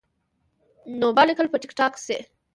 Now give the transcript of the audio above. نو بالکل به ټيک ټاک شي -